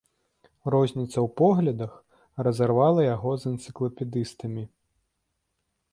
Розніца ў поглядах, разарвала яго з энцыклапедыстамі.